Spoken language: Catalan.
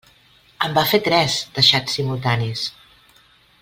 En va fer tres, de xats simultanis!